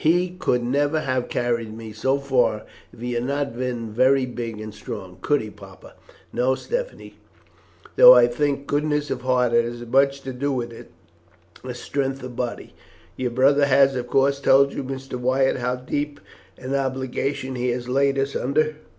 "He could never have carried me so far if he had not been very big and strong. Could he, papa?" "No, Stephanie; though I think goodness of heart had as much to do with it as strength of body. Your brother has, of course, told you, Mr. Wyatt, how deep an obligation he has laid us under."